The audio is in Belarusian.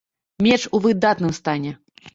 Меч у выдатным стане.